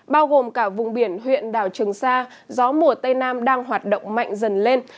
bao gồm cả vùng biển huyện đào trừng sa gió mùa tây nam đang hoạt động mạnh dần lên